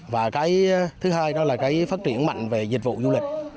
và cái thứ hai đó là cái phát triển mạnh về dịch vụ du lịch